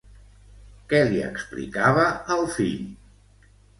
Què li explicava el fill?